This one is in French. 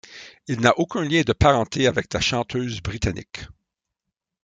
Il n'a aucun lien de parenté avec la chanteuse britannique.